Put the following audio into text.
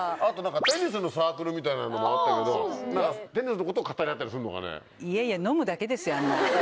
テニスのサークルみたいなのもあったけどテニスのことを語り合ったりするのかね？